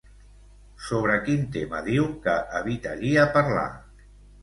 Sobre quin tema diu que evitaria parlar?